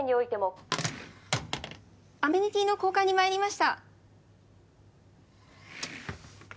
アメニティーの交換にまいりました。